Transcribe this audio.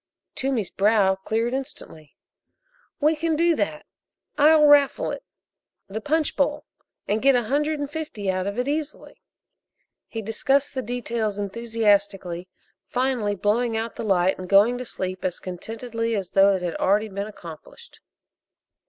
Toomey's brow cleared instantly. "We can do that I'll raffle it the punch bowl and get a hundred and fifty out of it easily." He discussed the details enthusiastically, finally blowing out the light and going to sleep as contentedly as though it already had been accomplished.